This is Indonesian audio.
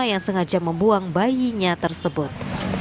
yang sengaja membuang bayinya tersebut